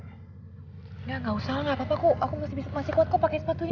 enggak enggak usah lah enggak apa apa aku masih kuat kok pake sepatu ini enggak apa apa